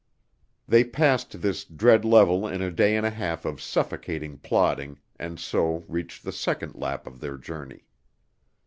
They passed this dead level in a day and a half of suffocating plodding, and so reached the second lap of their journey.